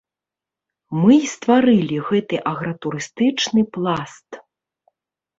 Мы і стварылі гэты агратурыстычны пласт.